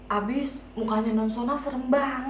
abis mukanya non sona serem banget